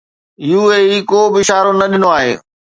UAE ڪوبه اشارو نه ڏنو آهي.